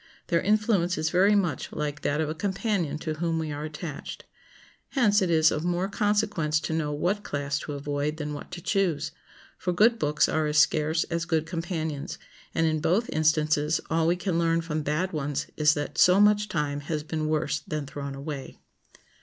Their influence is very much like that of a companion to whom we are attached. Hence it is of more consequence to know what class to avoid than what to choose; for good books are as scarce as good companions, and in both instances all we can learn from bad ones is that so much time has been worse than thrown away.